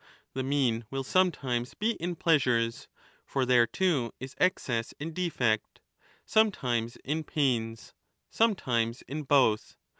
The mean will sometimes be in pleasures (for there too is excess and defect), sometimes in pains, sometimes in both.